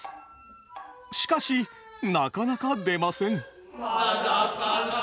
しかしなかなか出ません。